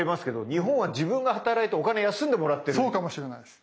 そうかもしれないです。